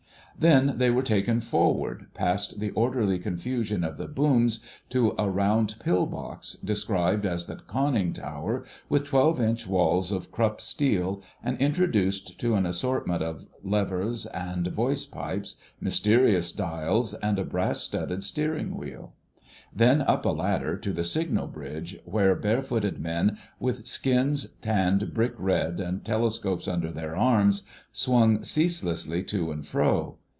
Then they were taken forward, past the orderly confusion of the "booms," to a round pill box, described as the Conning Tower. with twelve inch walls of Krupp steel, and introduced to an assortment of levers and voice pipes, mysterious dials, and a brass studded steering wheel. Then up a ladder to the signal bridge, where barefooted men, with skins tanned brick red and telescopes under their arms, swung ceaselessly to and fro.